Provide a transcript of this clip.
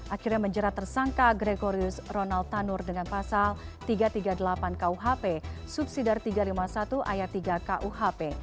akhirnya menjerat tersangka gregorius ronald tanur dengan pasal tiga ratus tiga puluh delapan kuhp subsidi tiga ratus lima puluh satu ayat tiga kuhp